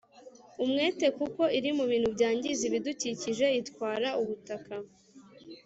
umwete kuko iri mu bintu byangiza ibidukikije itwara ubutaka,